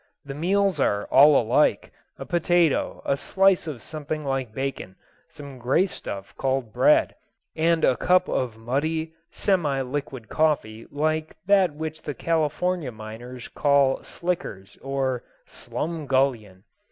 The meals are all alike—a potato, a slice of something like bacon, some gray stuff called bread, and a cup of muddy, semi liquid coffee like that which the California miners call "slickers" or "slumgullion."